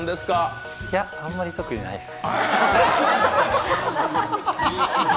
いや、あまり特にないです。